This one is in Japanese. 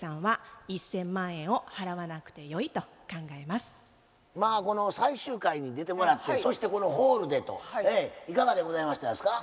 このようなまあこの最終回に出てもらってそしてこのホールでといかがでございましたですか？